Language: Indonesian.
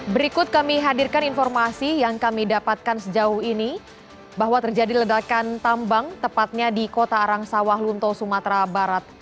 berikut kami hadirkan informasi yang kami dapatkan sejauh ini bahwa terjadi ledakan tambang tepatnya di kota arang sawah lunto sumatera barat